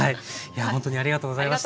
ほんとにありがとうございました。